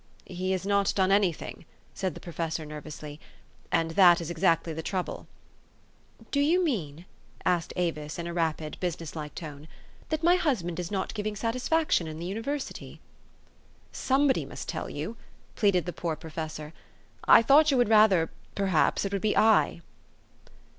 " He has not done any thing," said the professor nervously ;" and that is exactly the trouble." " Do you mean," asked Avis in a rapid, busi ness like tone, " that my husband is not giving satisfaction in the university?" 314 THE STORY OF AVIS. " Somebody must tell you/' pleaded the poor pro fessor. " I thought you would rather perhaps it would be I."